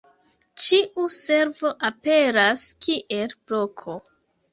Ĉiu servo aperas kiel bloko.